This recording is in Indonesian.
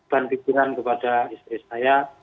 pembantikan kepada istri saya